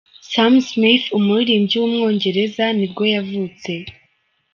Sam Smith, umuririmbyi w’umwongereza nibwo yavutse.